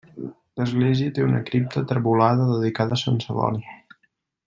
L'església té una cripta trevolada dedicada a sant Celoni.